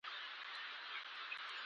اټکل له خاورو نه شي